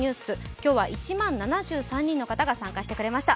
今日は１万７３人の方が参加してくれました。